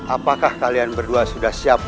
apakah kalian berdua sudah siap